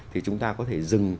thì chúng ta có thể dừng